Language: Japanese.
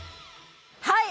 はい！